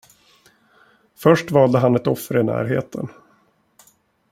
Först valde han ett offer i närheten.